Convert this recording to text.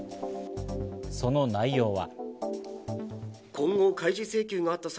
その内容は。